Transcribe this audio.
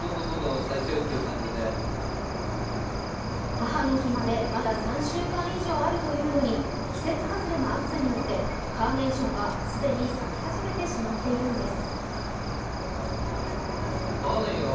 母の日までまだ３週間以上あるというのに、季節外れの暑さによってカーネーションが既に咲き始めてしまっているんです。